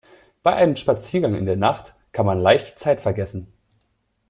Bei einem Spaziergang in der Nacht kann man leicht die Zeit vergessen.